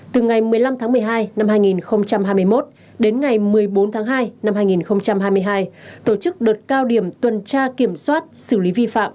từ ngày một mươi năm tháng một mươi hai năm hai nghìn hai mươi một đến ngày một mươi bốn tháng hai năm hai nghìn hai mươi hai tổ chức đợt cao điểm tuần tra kiểm soát xử lý vi phạm